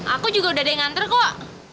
aku juga udah ada yang nganter kok